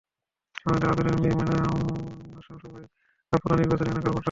আমার আদরের মেয়ে ময়না, ময়নার মাসহ আমরা সবাই আপনার নির্বাচনী এলাকার ভোটার।